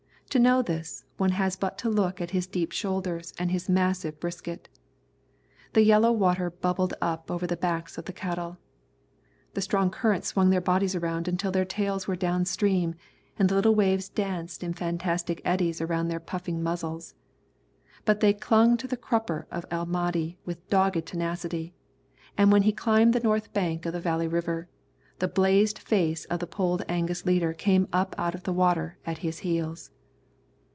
To know this, one has but to look at his deep shoulders and his massive brisket. The yellow water bubbled up over the backs of the cattle. The strong current swung their bodies around until their tails were down stream, and the little waves danced in fantastic eddies around their puffing muzzles. But they clung to the crupper of El Mahdi with dogged tenacity, and when he climbed the north bank of the Valley River, the blazed face of the Polled Angus leader came up out of the water at his heels.